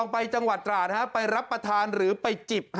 ไปจังหวัดตราดไปรับประทานหรือไปจิบ